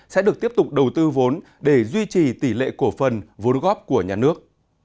sẽ được tiếp tục đầu tư vốn để duy trì tỷ lệ cổ phần vốn góp của nhà nước